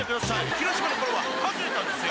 広島のころは外れたんですよ！］